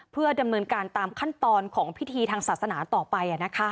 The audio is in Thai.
เพื่อดำเนินการตามขั้นตอนของพิธีทางศาสนาต่อไป